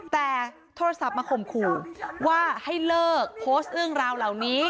แต่โทรศัพท์มาข่มขู่ว่าให้เลิกโพสต์เรื่องราวเหล่านี้